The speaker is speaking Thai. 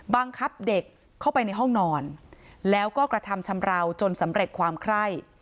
บังคับเด็กเข้าไปในห้องนอนแล้วก็กระทำชำราวจนสำเร็จความไคร่